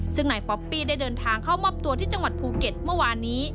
ซึ่งนายป๊อปปี้ได้เดินทางเข้ามอบตัวที่จังหวัดภูเก็ตเมื่อวานนี้